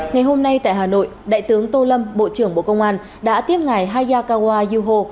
ngày hôm nay tại hà nội đại tướng tô lâm bộ trưởng bộ công an đã tiếp ngài hayakawa yuho